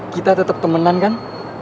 kita tetep temenan kan